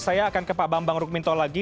saya akan ke pak bambang rukminto lagi